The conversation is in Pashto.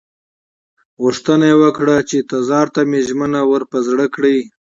غوښتنه یې وکړه چې تزار ته ژمنې ور په زړه کړي.